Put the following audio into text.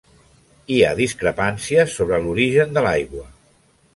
Hi ha discrepàncies sobre l'origen de l'aigua.